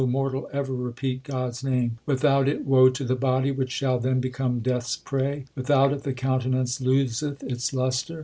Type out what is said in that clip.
mortal, ever repeat God s name : Without it woe to the body, which shall then become Death s 1 prey ; Without it the countenance loseth its lustre.